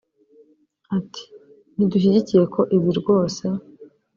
Ati “Ntidushyigikiye ko ibi rwose